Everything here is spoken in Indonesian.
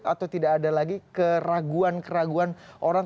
atau tidak ada lagi keraguan keraguan orang